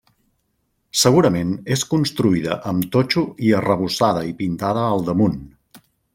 Segurament és construïda amb totxo i arrebossada i pintada al damunt.